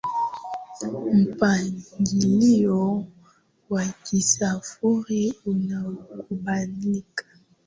Mpangilio wa kisarufi unaokubalika